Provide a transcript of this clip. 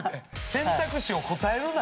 選択肢を答えるな！